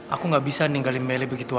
aku gak bisa ninggalin mele begitu aja